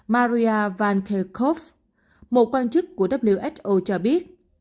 maria van kerkhove một quan chức của who cho biết